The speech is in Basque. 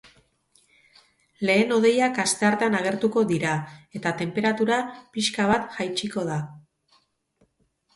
Lehen hodeiak asteartean agertuko dira eta tenperatura pixka bat jaitsiko da.